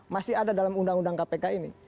masih ada dalam undang undang kpk ini